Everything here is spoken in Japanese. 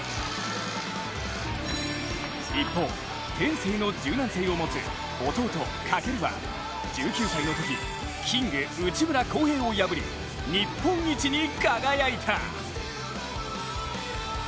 一方、天性の柔軟性を持つ弟・翔は１９歳のときキング・内村航平を破り、日本一に輝いた。